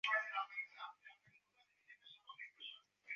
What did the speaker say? প্রজেক্টে ইতিবাচক ফলাফল পাওয়া গেলে নারীদের হয়রানি বন্ধে কার্যকর উদ্যোগ হবে।